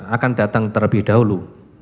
akan datang terlebih dahulu